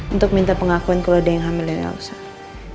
untuk minta pengakuan kalau dia hamil dan gausah